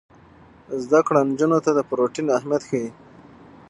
زده کړه نجونو ته د پروټین اهمیت ښيي.